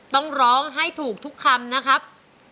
ต้องร้องให้ถูกทุกคำนะครับ